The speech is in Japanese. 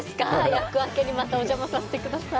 厄明けにまたお邪魔させてください。